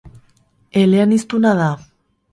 Eleaniztuna da.